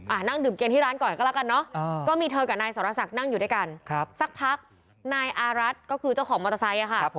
นั่งดื่มกินที่ร้านก่อนก็แล้วกันเนอะก็มีเธอกับนายสรษักนั่งอยู่ด้วยกันครับสักพักนายอารัฐก็คือเจ้าของมอเตอร์ไซค์อ่ะค่ะ